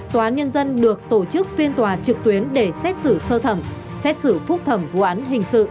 tòa án nhân dân được tổ chức phiên tòa trực tuyến để xét xử sơ thẩm xét xử phúc thẩm vụ án hình sự